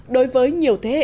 đối với nhiều thế hệ nhà vật